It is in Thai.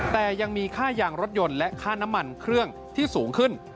แต่ยังมีค่ายางรถยนต์และค่าน้ำมันเครื่องที่สูงขึ้น